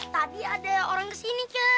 tadi ada orang kesini kah